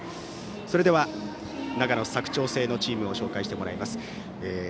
それでは、長野・佐久長聖のチームを紹介してもらいます。